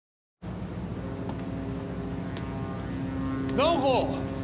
直子！